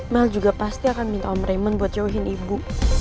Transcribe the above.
mel juga pasti akan minta om rimen buat jauhin ibu